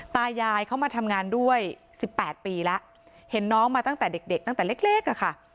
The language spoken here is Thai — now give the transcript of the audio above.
ตายายเขามาทำงานด้วยสิบแปดปีแล้วเห็นน้องมาตั้งแต่เด็กเด็กตั้งแต่เล็กอะค่ะ